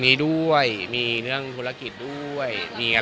อ๋อไม่มันไม่ใช่ย้ำคิดย้ำทำ